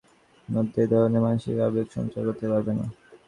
পরবর্তী বাজনাটা নিশ্চয়ই তাদের মধ্যে এই ধরনের মানসিক আবেগ সঞ্চার করতে পারবে না।